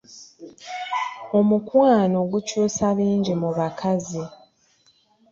Omukwano gukyusa bingi mu bakazi.